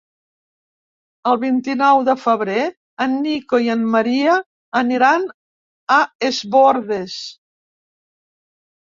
El vint-i-nou de febrer en Nico i en Maria aniran a Es Bòrdes.